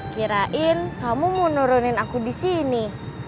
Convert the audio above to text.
kirain kamu mau nurunin aku di sini